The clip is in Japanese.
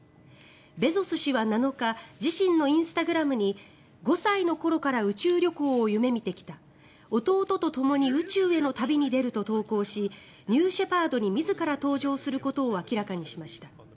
ベゾス氏は７日自身のインスタグラムに５歳の頃から宇宙旅行を夢見てきた弟とともに宇宙への旅に出ると投稿しニューシェパードに自ら搭乗することを明らかにしました。